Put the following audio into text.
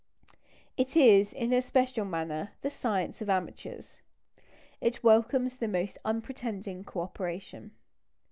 It is, in a special manner, the science of amateurs. It welcomes the most unpretending co operation.